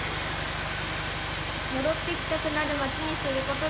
「戻って来たくなる町」にすることです。